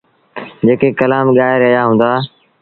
جيڪي ڪلآم ڳآئي رهيآ هُݩدآ۔